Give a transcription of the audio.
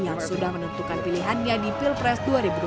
yang sudah menentukan pilihannya di pilpres dua ribu dua puluh